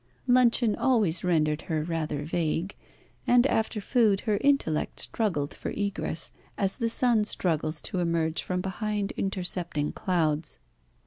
Luncheon always rendered her rather vague, and after food her intellect struggled for egress, as the sun struggles to emerge from behind intercepting clouds.